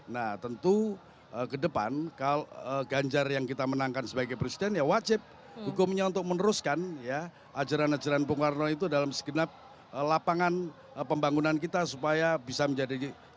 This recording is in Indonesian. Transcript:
nah tentu ke depan ganjar yang kita menangkan sebagai presiden ya wajib hukumnya untuk meneruskan ya ajaran ajaran bung karno itu dalam segenap lapangan pembangunan kita supaya bisa menjadi